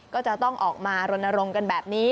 ก็จะต้องออกมารณรงค์กันแบบนี้